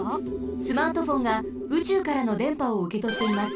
スマートフォンがうちゅうからのでんぱをうけとっています。